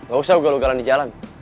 gak usah lo galan di jalan